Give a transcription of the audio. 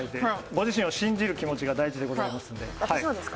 ご自身を信じる気持ちが大事ですので。